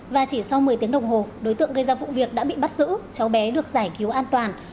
và chỉ sau một mươi tiếng đồng hồ đối tượng gây ra vụ việc đã bị bắt giữ cháu bé được giải cứu an toàn